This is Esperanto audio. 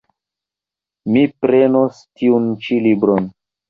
Mi prenos tiun ĉi libron.